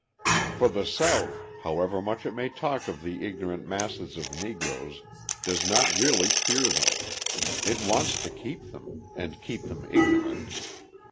For the South, however much it may talk of the ignorant masses of Negroes, does not really fear them; it wants to keep them, and keep them ignorant.